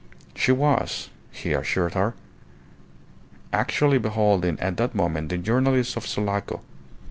She was, he assured her, actually beholding at that moment the Journalist of Sulaco.